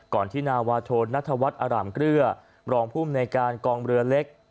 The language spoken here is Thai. ก่อนที่นาวาโทนนัทวัดอารามเกลื้อรองพุ่มในการกองเรือเล็ก